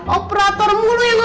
operator mulu ya lo